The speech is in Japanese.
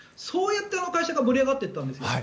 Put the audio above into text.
そうやってあの会社は盛り上がっていったんです。